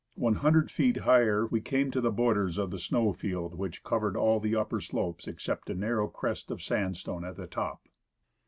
One hundred feet higher we came to the borders of the snow field which covered all of the upper slopes except a narrow crest of sandstone at the top.